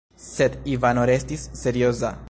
Sed Ivano restis serioza.